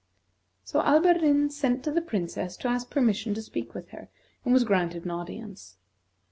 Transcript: So Alberdin sent to the Princess to ask permission to speak with her, and was granted an audience.